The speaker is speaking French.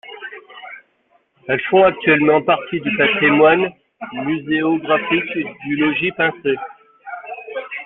Elles font actuellement partie du patrimoine muséographique du Logis Pincé.